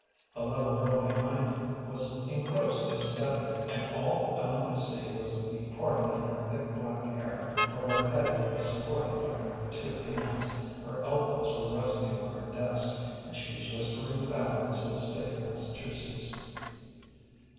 The little girl behind was engrossed in study, and all Ellen could see was the parting in her thick black hair, for her head was supported by her two hands, her elbows were resting on her desk, and she was whispering the boundaries of the State of Massachusetts.